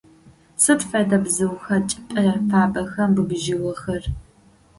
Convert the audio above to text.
Сыд фэдэ бзыуха чӏыпӏэ фабэхэм быбыжьыгъэхэр?